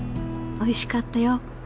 ［おいしかったよ。